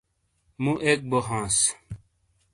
مُو ایک بو ہاںس